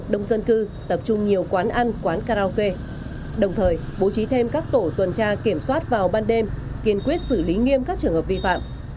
đồng thời bố trí thêm các tổ tuần tra kiểm soát vào ban đêm kiên quyết xử lý nghiêm các trường hợp vi phạm